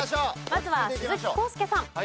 まずは鈴木浩介さん。